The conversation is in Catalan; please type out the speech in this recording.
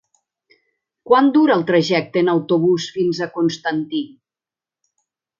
Quant dura el trajecte en autobús fins a Constantí?